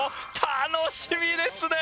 楽しみですね